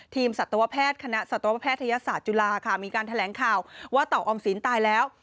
สัตวแพทย์คณะสัตวแพทยศาสตร์จุฬาค่ะมีการแถลงข่าวว่าเต่าออมสินตายแล้ว